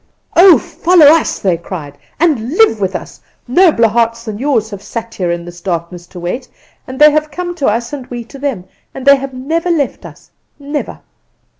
"'Oh, follow us,' they cried, 'and live with us. Nobler hearts than yours have sat here in this darkness to wait, and they have come to us and we to them; and they have never left us, never.